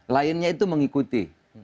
lainnya itu mengikuti